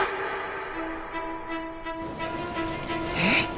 えっ？